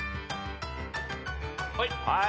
はい。